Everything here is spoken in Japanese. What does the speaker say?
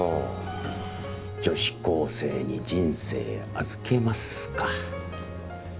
「女子高生に人生預けます」か。